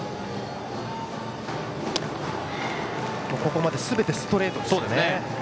ここまですべてストレートですね。